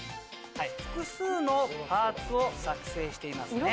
複数のパーツを作成していますね。